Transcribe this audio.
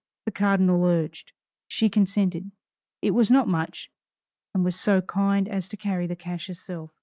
The cardinal urged. She consented it was not much and was so kind as to carry the cash herself.